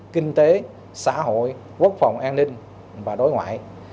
kinh tế xã hội quốc phòng an ninh và đối ngoại